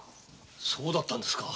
そうだったんですか。